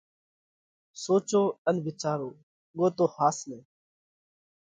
سوچو ان وِيچارو۔ ڳوتو ۿاس نئہ!